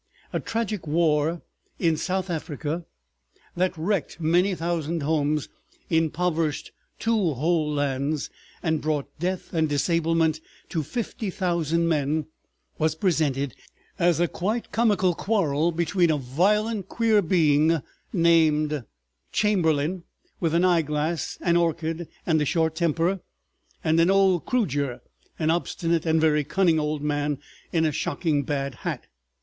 A tragic war in South Africa, that wrecked many thousand homes, impoverished two whole lands, and brought death and disablement to fifty thousand men, was presented as a quite comical quarrel between a violent queer being named Chamberlain, with an eyeglass, an orchid, and a short temper, and "old Kroojer," an obstinate and very cunning old man in a shocking bad hat.